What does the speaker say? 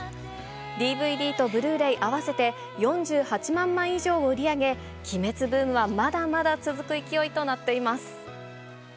ＤＶＤとブルーレイ合わせて４８万枚以上を売り上げ、鬼滅ブームはまだまだ続く勢いとなっています。